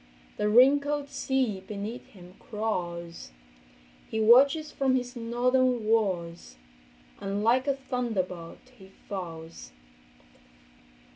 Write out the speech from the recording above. The wrinkled sea beneath him crawls, He watches from his northern walls, And like a thunderbolt he falls.